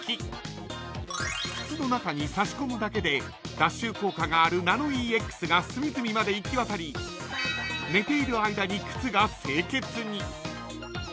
［靴の中に差し込むだけで脱臭効果があるナノイーＸが隅々まで行き渡り寝ている間に靴が清潔に］